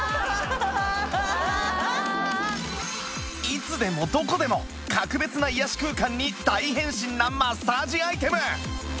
いつでもどこでも格別な癒やし空間に大変身なマッサージアイテム！